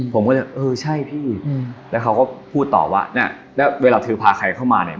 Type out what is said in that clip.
ผมก็เลยเออใช่พี่แล้วเขาก็พูดต่อว่าเนี่ยแล้วเวลาเธอพาใครเข้ามาเนี่ย